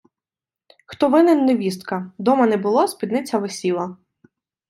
хто винен – невістка: дома не було – спідниця висіла